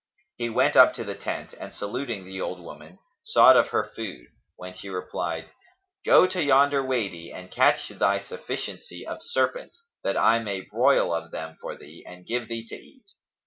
He went up to the tent and, saluting the old woman, sought of her food, when she replied, "Go to yonder Wady and catch thy sufficiency of serpents, that I may broil of them for thee and give thee to eat."